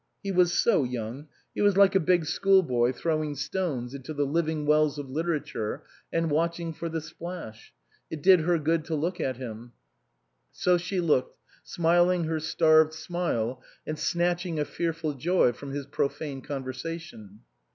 He was so young ; he was like a big 246 HEALERS AND REGENERATORS schoolboy throwing stones into the living wells of literature and watching for the splash ; it did her good to look at him. So she looked, smiling her starved smile and snatching a fearful joy from his profane conversation.